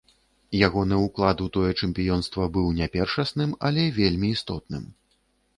Ягоны ўклад у тое чэмпіёнства быў не першасным, але вельмі істотным.